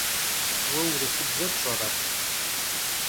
Vue vurısıbze pş'ere?